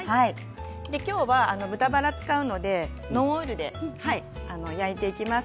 豚バラを使うのでノンオイルで焼いていきます。